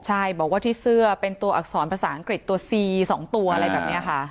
ใช่บอกว่าที่เสื้อเป็นตัวอักษรภาษาอังกฤษตัวซี๒ตัวอะไรแบบนี้ค่ะ